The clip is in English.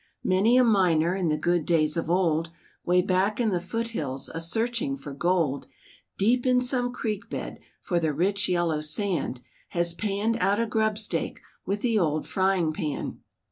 Many a miner, in the good days of old, Way back in the foothills a searching for gold Deep in some creek bed, for the rich yellow sand, Has panned out a grub stake with the old frying pan.